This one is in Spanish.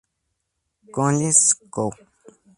Collins, Co.